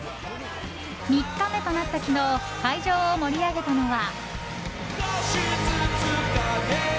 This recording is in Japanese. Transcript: ３日目となった昨日会場を盛り上げたのは。